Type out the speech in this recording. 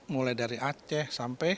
mulai dari aceh sampai